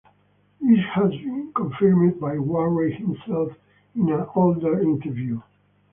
This has been confirmed by Warrel himself in an older interview.